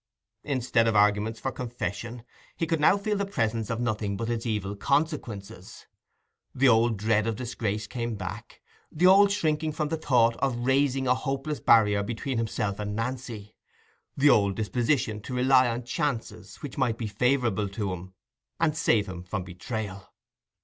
Instead of arguments for confession, he could now feel the presence of nothing but its evil consequences: the old dread of disgrace came back—the old shrinking from the thought of raising a hopeless barrier between himself and Nancy—the old disposition to rely on chances which might be favourable to him, and save him from betrayal.